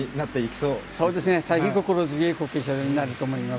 そうですね、大変心強い後継者になると思います。